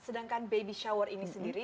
sedangkan baby shower ini sendiri